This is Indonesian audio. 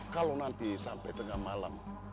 kalau nanti sampai tengah malam